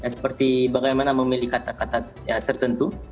seperti bagaimana memilih kata kata tertentu